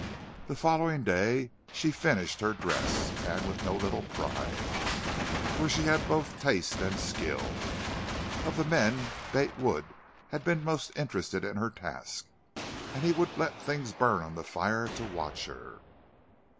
The following day she finished her dress, and with no little pride, for she had both taste and skill. Of the men, Bate Wood had been most interested in her task; and he would let things burn on the fire to watch her.